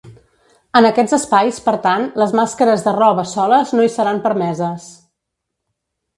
En aquests espais, per tant, les màscares de roba soles no hi seran permeses.